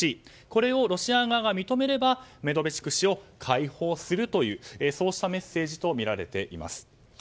これをロシア側が認めればメドベチュク氏を解放するというメッセージとみられています。